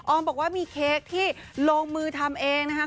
บอกว่ามีเค้กที่ลงมือทำเองนะครับ